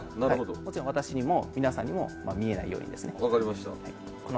もちろん、私にも皆さんにも見えないようにね。